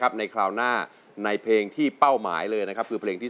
โทษใจโทษใจโทษใจโทษใจโทษใจโทษใจโทษใจโทษใจโทษใจ